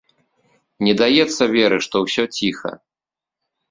Не даецца веры, што ўсё ціха.